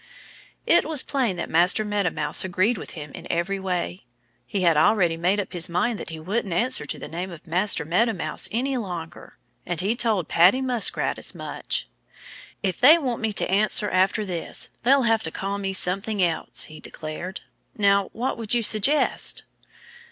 It was plain that Master Meadow Mouse agreed with him in every way. He had already made up his mind that he wouldn't answer to the name of 'Master' Meadow Mouse any longer. And he told Paddy Muskrat as much. "If they want me to answer after this, they'll have to call me something else," he declared. "Now, what would you suggest?"